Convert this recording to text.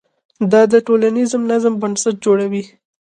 دا د ټولنیز نظم بنسټ جوړوي.